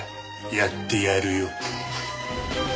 やってやるよ。